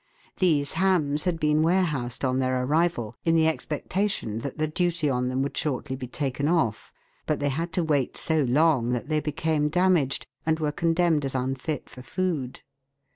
These hams had been warehoused on their arrival, in the expectation that the duty on them would shortly be taken off, but they had to wait so long that they became damaged, and were condemned as unfit for food.